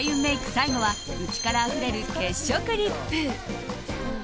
最後は内からあふれる血色リップ。